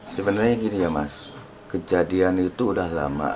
sebenarnya gini ya mas kejadian itu udah lama